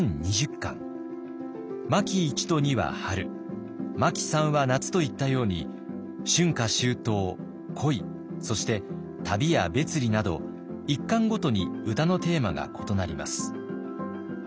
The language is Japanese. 巻一と二は春巻三は夏といったように春夏秋冬恋そして旅や別離など１巻ごとに歌のテーマが異なります。